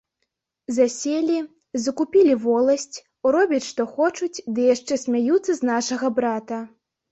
Заселі, закупілі воласць, робяць што хочуць, ды яшчэ смяюцца з нашага брата.